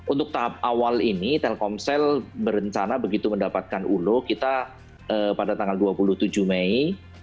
untuk tahap awal ini telkomsel berencana begitu mendapatkan ulo kita pada tanggal dua puluh tujuh mei